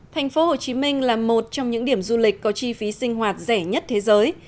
thành phố hồ chí minh là một trong những điểm du lịch có chi phí sinh hoạt rẻ nhất thế giới